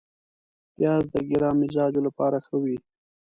پیاز د ګرم مزاجو لپاره ښه وي